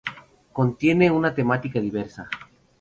Contiene una temática diversa.